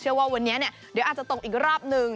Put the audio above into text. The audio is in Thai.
ว่าวันนี้เดี๋ยวอาจจะตกอีกรอบนึง